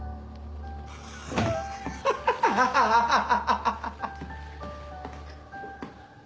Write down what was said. ハハハハハ！